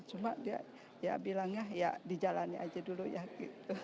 cuma dia ya bilangnya ya dijalani aja dulu ya gitu